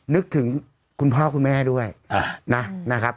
นึกถึงคุณพ่อคุณแม่ด้วยนะครับ